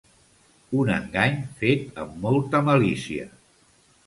Un engany fet amb molta malícia.